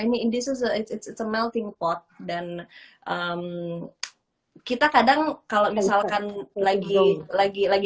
tapi kalau di washington dc ini in this is a melting pot dan kita kadang kalau misalkan lagi lagi lagi